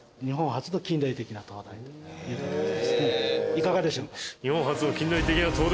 いかがでしょうか？